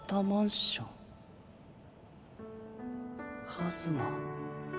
カズマ。